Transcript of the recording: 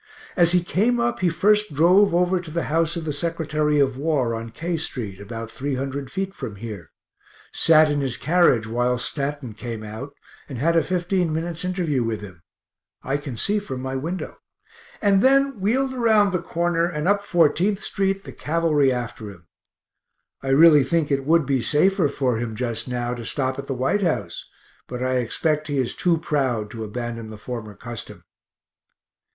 As he came up, he first drove over to the house of the Sec. of War, on K st., about 300 feet from here; sat in his carriage while Stanton came out and had a 15 minutes interview with him (I can see from my window), and then wheeled around the corner and up Fourteenth st., the cavalry after him. I really think it would be safer for him just now to stop at the White House, but I expect he is too proud to abandon the former custom.